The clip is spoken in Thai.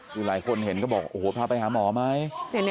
คือหลายคนเห็นก็บอกโอ้โหพาไปหาหมอไหม